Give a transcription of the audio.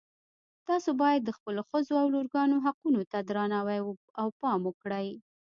تاسو باید د خپلو ښځو او لورګانو حقونو ته درناوی او پام وکړئ